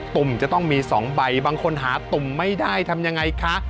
ตุ่มจะต้องมี๒ใบบางคนหาตุ่มไม่ได้ทำยังไงคะ